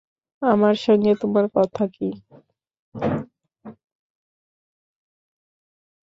আমার সঙ্গে তোমার কথা কী?